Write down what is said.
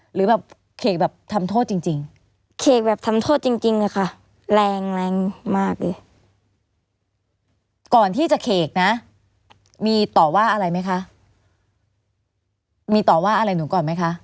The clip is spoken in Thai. เห็นไหมคะ